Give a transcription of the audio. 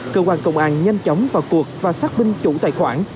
cơ quan công an nhanh chóng vào cuộc và xác minh chủ tài khoản